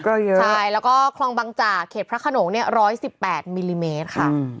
ก็เยอะใช่แล้วก็คลองบังจากเขตพระขนงเนี่ย๑๑๘มิลลิเมตรค่ะ